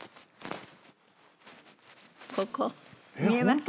ここ見えますか？